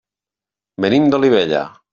Venim d'Olivella.